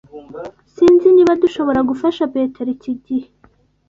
Sinzi niba dushobora gufasha Petero iki gihe.